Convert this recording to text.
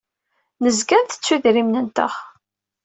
Nezga nttettu idrimen-nteɣ.